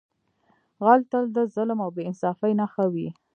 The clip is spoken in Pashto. غل تل د ظلم او بې انصافۍ نښه وي